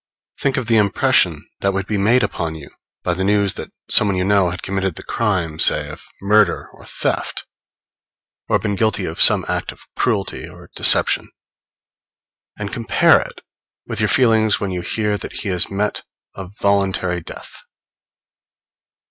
Think of the impression that would be made upon you by the news that some one you know had committed the crime, say, of murder or theft, or been guilty of some act of cruelty or deception; and compare it with your feelings when you hear that he has met a voluntary death.